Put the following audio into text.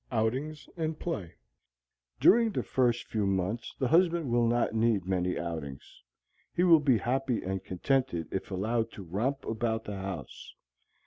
Outings and Play. During the first few months the husband will not need many outings. He will be happy and contented if allowed to romp about the house.